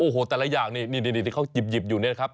โอ้โหแต่ละอย่างนี่เค้าหยิบอยู่นะครับ